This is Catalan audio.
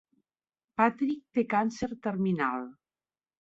Patrick té càncer terminal.